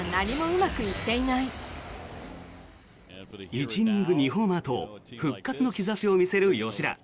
１イニング２ホーマーと復活の兆しを見せる吉田。